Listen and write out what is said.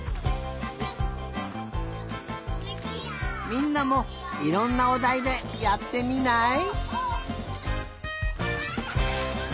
みんなもいろんなおだいでやってみない？